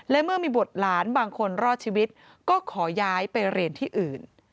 และเมื่อมีบุตรหลานบางคนรอดชีวิตก็ขอย้ายไปเรียนที่อื่น